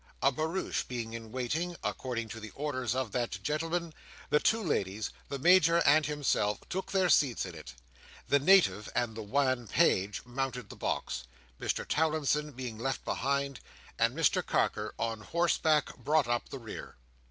A barouche being in waiting, according to the orders of that gentleman, the two ladies, the Major and himself, took their seats in it; the Native and the wan page mounted the box, Mr Towlinson being left behind; and Mr Carker, on horseback, brought up the rear.